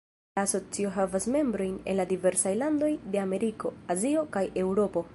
La asocio havas membrojn en diversaj landoj de Ameriko, Azio kaj Eŭropo.